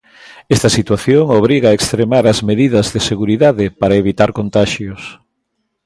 Esta situación obriga a extremar as medidas de seguridade para evitar contaxios.